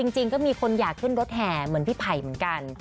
จริงก็มีคนอยากขึ้นรถแห่เหมือนพี่ไผ่เหมือนกัน